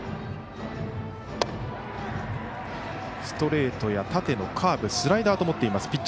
ストレートや縦のカーブスライダーと持っています